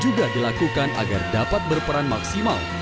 juga dilakukan agar dapat berperan maksimal